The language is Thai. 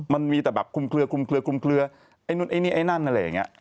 มันมีแต่แบบคุมเคลือไอ้นู้นไอ้นั่นนั่นอะไรอย่างนี้